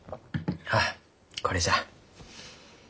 あこれじゃ。